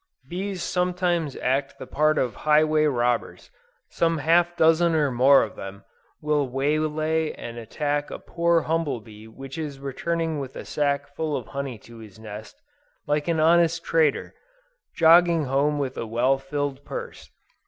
Bees sometimes act the part of highway robbers; some half dozen or more of them, will waylay and attack a poor humble bee which is returning with a sack full of honey to his nest, like an honest trader, jogging home with a well filled purse.